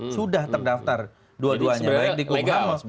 sudah terdaftar dua duanya baik di kumham